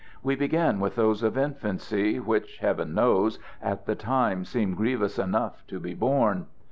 We begin with those of infancy, which, Heaven knows, at the time seem grievous enough to be borne.